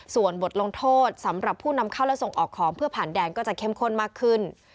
ส่วนบทลงโทษสำหรับผู้นำเข้าและส่งออกของเพื่อผ่านแดนก็จะเข้มข้นมากขึ้น